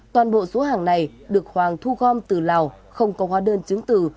toàn bộ số hàng này được hoàng thu gom từ lào không có hóa đơn chứng từ